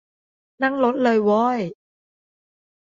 นั่งรถเลย ว้อย